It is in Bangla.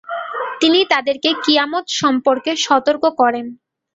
তিনি তাদেরকে কিয়ামত সম্পর্কে সতর্ক করেন।